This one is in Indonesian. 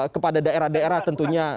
kepada daerah daerah tentunya